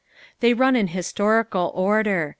They run in historical order.